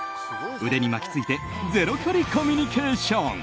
腕に巻き付いてゼロ距離コミュニケーション。